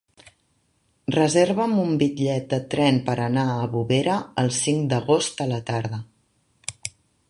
Reserva'm un bitllet de tren per anar a Bovera el cinc d'agost a la tarda.